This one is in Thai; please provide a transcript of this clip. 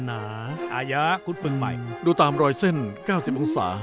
อายะคุดฟึงใหม่ดูตามรอยเส้น๙๐องศา